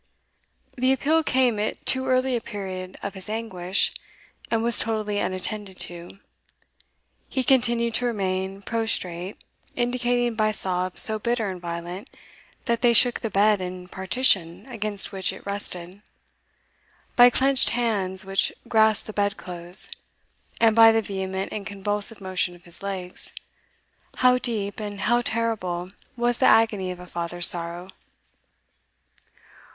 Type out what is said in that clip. The appeal came at too early a period of his anguish, and was totally unattended to; he continued to remain prostrate, indicating, by sobs so bitter and violent, that they shook the bed and partition against which it rested, by clenched hands which grasped the bed clothes, and by the vehement and convulsive motion of his legs, how deep and how terrible was the agony of a father's sorrow.